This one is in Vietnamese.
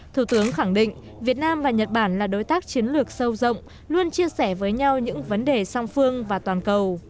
thủ tướng khẳng định việt nam và nhật bản là đối tác chiến lược sâu rộng luôn chia sẻ với nhau những vấn đề song phương và toàn cầu